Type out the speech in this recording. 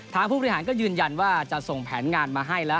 ผู้บริหารก็ยืนยันว่าจะส่งแผนงานมาให้แล้ว